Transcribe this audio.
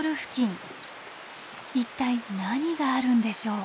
一体何があるんでしょう？